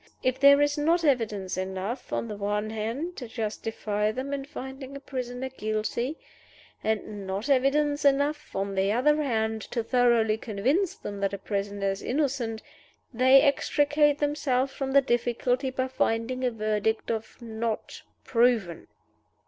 If there is not evidence enough, on the one hand, to justify them in finding a prisoner guilty, and not evidence enough, on the other hand, to thoroughly convince them that a prisoner is innocent, they extricate themselves from the difficulty by finding a verdict of Not Proven."